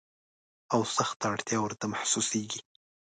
او سخته اړتیا ورته محسوسیږي.